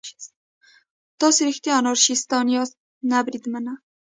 تاسې رښتیا انارشیستان یاست؟ نه بریدمنه.